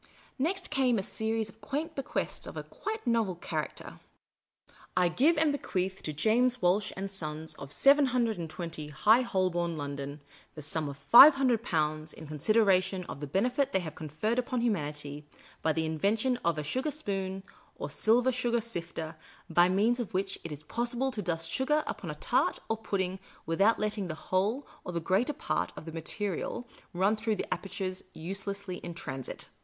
Next came a series of quaint bequests of a quite novel character. " I give and bequeath to James Walsh and Sons, of 720 High Holborn, London, the sum of Five Hundred Pounds, in consideration of the benefit they have conferred upon humanity by the invention of a sugar spoon or silver sugar sifter, by means of which it is possible to dust sugar upon a tart or pudding without let ting the whole or the greater part of the material run through the apertures uselessly in transit.